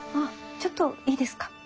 ちょっといいですか？